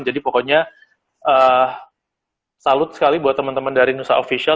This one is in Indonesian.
jadi pokoknya salut sekali buat teman teman dari nusa official